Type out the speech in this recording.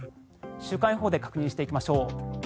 週間予報で確認していきましょう。